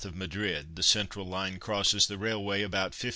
of Madrid; the central line crosses the railway about 15m.